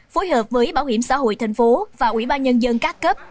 phối hợp với bảo hiểm xã hội tp hcm và ubnd các cấp